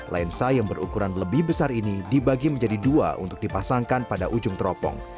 lensa yang berukuran lebih besar ini dibagi menjadi dua untuk dipasangkan pada ujung teropong